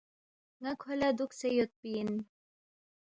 ن٘ا کھو لہ دُوکسے یودپی اِن